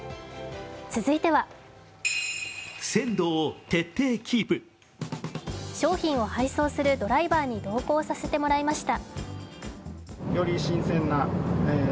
続いては商品を配送するドライバーに同行させてもらいました。